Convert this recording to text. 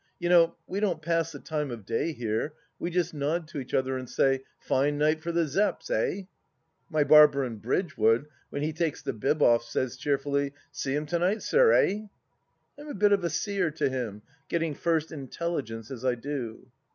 You know, we don't pass the time of day here, we just nod to each other and say, ' Fine night for the Zepps, eh ?' My barber in Bridgewood, when he takes the bib off, says cheerfully, ' See 'em to night, sir, eh ?' I'm a bit of a seer to him, getting first intelligence as I do.